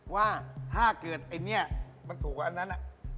ว่าถ้าเกิดไอ้เนี่ยมันถูกกว่าอันนั้น